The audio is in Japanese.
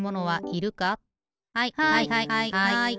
はいはいはい。